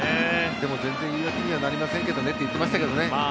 でも全然言い訳にはなりませんけどねと言ってましたけど。